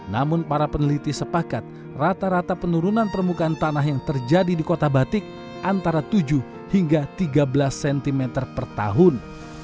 namun para peneliti sepakat rata rata penurunan permukaan tanah yang terjadi di kota batik antara tujuh hingga tiga belas cm per tahun